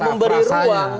kalau memberi ruang